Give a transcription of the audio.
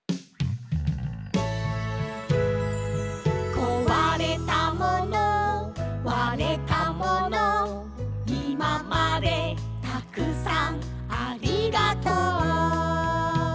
「壊れたもの割れたもの」「今までたくさんありがとう」